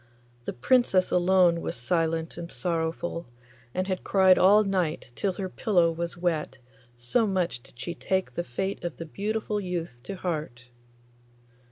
The Princess alone was silent and sorrowful, and had cried all night till her pillow was wet, so much did she take the fate of the beautiful youth to heart.